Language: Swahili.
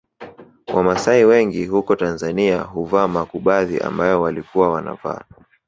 Wamasai wengi huko Tanzania huvaa makubadhi ambayo walikuwa wanavaa